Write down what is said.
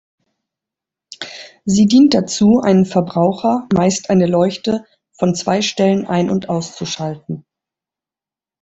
Sie dient dazu, einen Verbraucher, meist eine Leuchte, von zwei Stellen ein- und auszuschalten.